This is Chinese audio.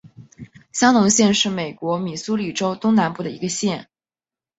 香农县是美国密苏里州东南部的一个县。